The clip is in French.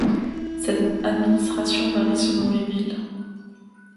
Cette administration varie selon les villes.